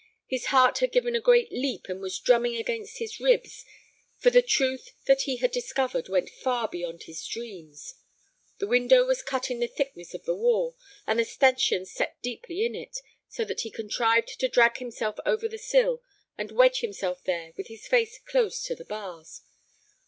His heart had given a great leap and was drumming against his ribs, for the truth that he had discovered went far beyond his dreams. The window was cut in the thickness of the wall, and the stanchions set deeply in it, so that he contrived to drag himself over the sill and wedge himself there with his face close to the bars.